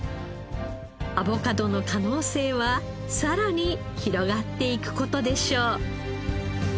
アボカドの可能性はさらに広がっていく事でしょう。